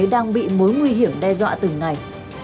đang bị mối nguy hiểm đe dọa từng ngày